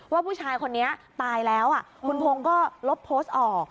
ว่าผู้ชายคนนี้ตายแล้วคุณพงศ์ก็ลบโพสต์ออก